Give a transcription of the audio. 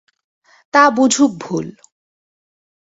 তা বুঝুক ভুল।